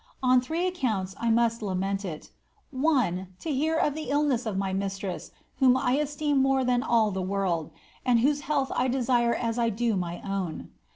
Od three accounts 1 must lament it One, to hear of the illness of my mistress, whom I esteem more than all tlie world, and whose health I desire as I do my own.